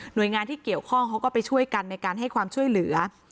โดยงานที่เกี่ยวข้องเขาก็ไปช่วยกันในการให้ความช่วยเหลือ